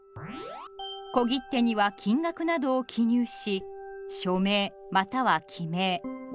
小切手には金額などを記入し署名または記名押印します。